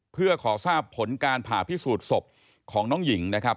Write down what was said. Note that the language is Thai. เพื่อขอทราบผลการผ่าพิสูจน์ศพของน้องหญิงนะครับ